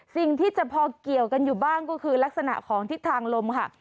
สิ่งที่จะพอเกี่ยวกันอยู่บ้างก็คือลักษณะของทิศทางลมค่ะ